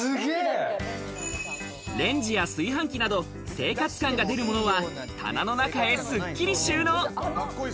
レンジや炊飯器など、生活感が出るものは、棚の中へすっきり収納。